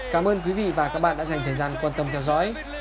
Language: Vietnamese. cảm ơn quý vị và các bạn đã dành thời gian quan tâm theo dõi